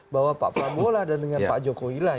bahwa pak prambola dan dengan pak jokowi lah